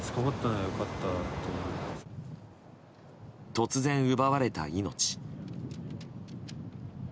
突然奪われた命。